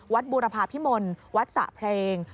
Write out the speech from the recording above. วัดบุรพาพิมนธ์วัดสะเพลง